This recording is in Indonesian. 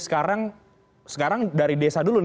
sekarang sekarang dari desa dulu